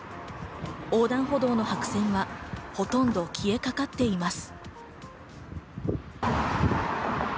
横断歩道の白線はほとんど消えかかっています。